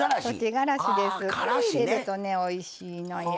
これ入れるとねおいしいのよ。